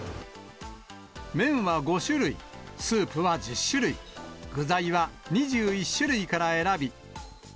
麺は５種類、スープは１０種類、具材は２１種類から選び。